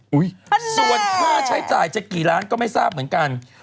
ถ้าใช้ไปจะกี่ล้านก็ไม่ทราบเหมือนกัน